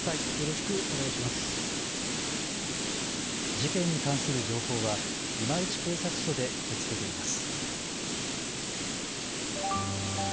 事件に関する情報は今市警察署で受け付けています。